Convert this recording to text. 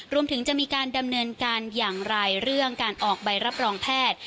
รวมถึงจะมีการดำเนินการอย่างไรเรื่องการออกใบรับรองแพทย์